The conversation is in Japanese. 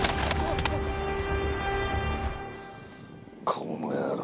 この野郎！